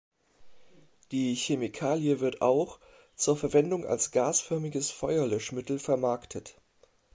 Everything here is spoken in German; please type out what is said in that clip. Die Chemikalie wird auch zur Verwendung als gasförmiges Feuerlöschmittel vermarktet.